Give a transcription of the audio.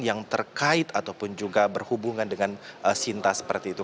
yang terkait ataupun juga berhubungan dengan sinta seperti itu